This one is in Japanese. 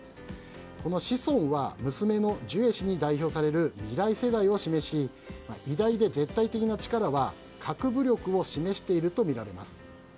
この子孫は娘のジュエ氏に代表される未来世代を示し偉大で絶対的な力は核武力を示しているとみられます。